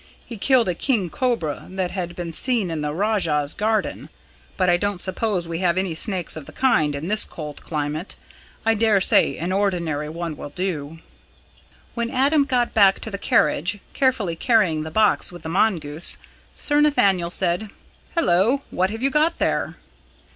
He killed a king cobra that had been seen in the Rajah's garden. But I don't suppose we have any snakes of the kind in this cold climate I daresay an ordinary one will do." When Adam got back to the carriage, carefully carrying the box with the mongoose, Sir Nathaniel said: "Hullo! what have you got there?"